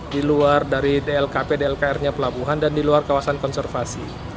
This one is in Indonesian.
di luar dari dlkp dlkr nya pelabuhan dan di luar kawasan konservasi